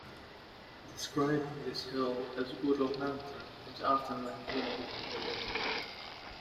Describing this hill as Woodall Mountain is often lampooned by locals.